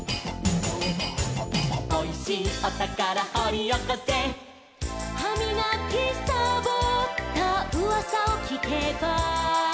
「おいしいおたからほりおこせ」「はみがきさぼったうわさをきけば」